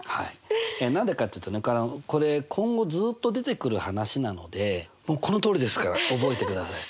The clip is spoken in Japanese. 何でかっていうとねこれ今後ずっと出てくる話なのでもうこのとおりですから覚えてくださいと。